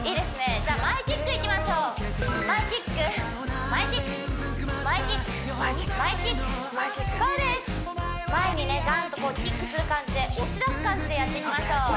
じゃあ前キックいきましょう前キック前キック前キック前キック前キック前キックそうです前にねガンとこうキックする感じで押し出す感じでやっていきましょう